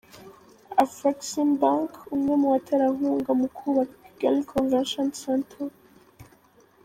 Afreximbank, umwe mu baterankunga mu kubaka Kigali Convention Centre.